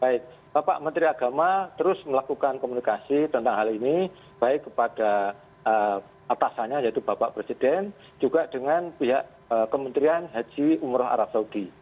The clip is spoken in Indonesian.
baik bapak menteri agama terus melakukan komunikasi tentang hal ini baik kepada atasannya yaitu bapak presiden juga dengan pihak kementerian haji umroh arab saudi